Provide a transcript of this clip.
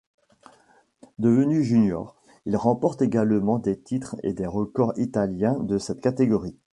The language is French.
Devenu junior, il remporte également des titres et des records italiens de cette catégorie.